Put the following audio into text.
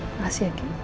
terima kasih yaki